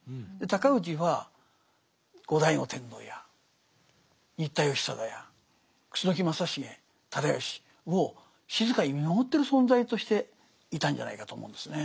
尊氏は後醍醐天皇や新田義貞や楠木正成直義を静かに見守ってる存在としていたんじゃないかと思うんですね。